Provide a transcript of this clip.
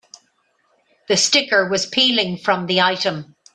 The sticker was peeling from the item.